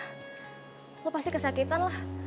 kamu pasti kesakitan lah